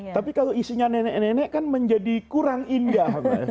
tapi kalau isinya nenek nenek kan menjadi kurang indah